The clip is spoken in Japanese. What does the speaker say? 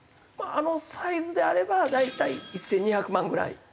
あのサイズであれば大体１２００万ぐらい。